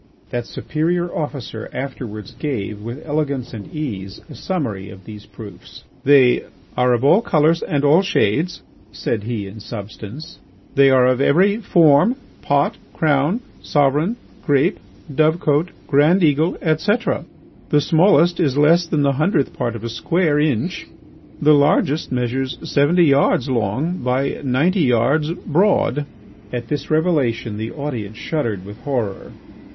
That superior officer afterwards gave, with elegance and ease, a summary of those proofs. "They are of all colours and all shades," said he in substance, "they are of every form—pot, crown, sovereign, grape, dove cot, grand eagle, etc. The smallest is less than the hundredth part of a square inch, the largest measures seventy yards long by ninety yards broad." At this revelation the audience shuddered with horror.